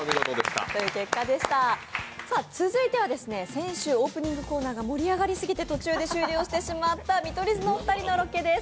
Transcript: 続いては先週オープニングコーナーが盛り上がりすぎて途中で終了してしまった見取り図の２人のロケです。